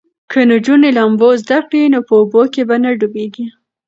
که نجونې لامبو زده کړي نو په اوبو کې به نه ډوبیږي.